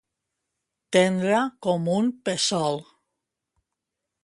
Tendre com un pèsol.